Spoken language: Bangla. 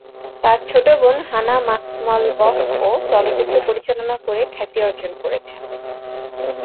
তার ছোট বোন হানা মাখ্মলবফ-ও চলচ্চিত্র পরিচালনা করে খ্যাতি অর্জন করেছেন।